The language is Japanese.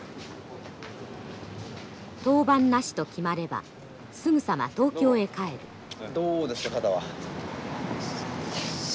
登板なしと決まればすぐさま東京へ帰る。